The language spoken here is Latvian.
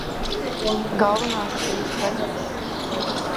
Galvenā šīs stratēģijas jēga ir mazināt nabadzību Āfrikas valstīs.